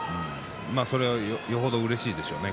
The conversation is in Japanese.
これは、よほどうれしいでしょうね